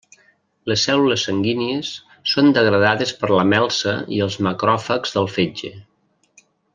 Les cèl·lules sanguínies són degradades per la melsa i els macròfags del fetge.